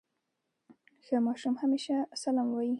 ښه ماشوم همېشه سلام وايي.